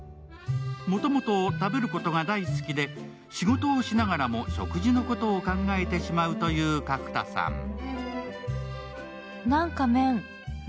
もともと食べることが大好きで仕事をしながらも食事のことを考えてしまうという角田さん。